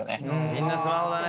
みんなスマホだね。